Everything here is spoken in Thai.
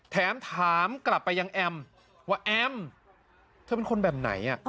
แถมถามกลับไปยังแอมว่าแอมเธอเป็นคนแบบไหน